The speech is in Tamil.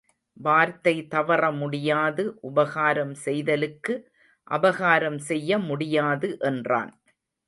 வார்த்தை தவற முடியாது உபகாரம் செய்தலுக்கு அபகாரம் செய்ய முடியாது என்றான்.